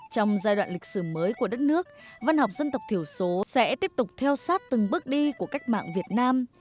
trong giai đoạn lịch sử mới của đất nước văn học dân tộc thiểu số sẽ tiếp tục theo sát từng bước đi của cách mạng việt nam